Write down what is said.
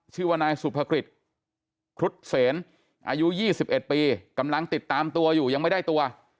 ชื่อว่านายสุภกฤษครุฑเสนอายุ๒๑ปีกำลังติดตามตัวอยู่ยังไม่ได้ตัว